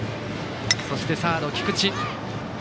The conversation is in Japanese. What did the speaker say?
そして、サード菊池。